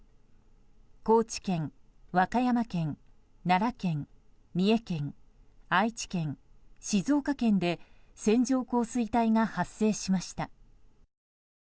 高知県、和歌山県、奈良県三重県、愛知県、静岡県で線状降水帯が発生しました。